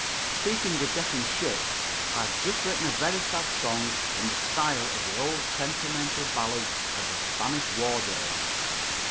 Speaking of getting shipped, I have just written a very sad song in the style of the old sentimental ballads of the Spanish war days.